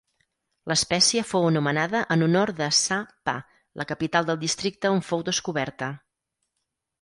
L'espècie fou anomenada en honor de Sa Pa, la capital del districte on fou descoberta.